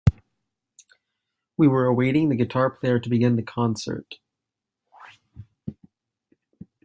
We were awaiting the guitar player to begin the concert.